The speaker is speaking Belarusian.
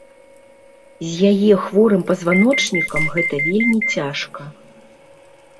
З яе хворым пазваночнікам гэта вельмі цяжка.